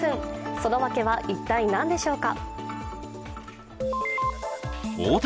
そのわけは一体何でしょうか。